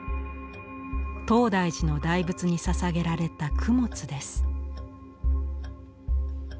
東大寺の大仏にささげられた供物です。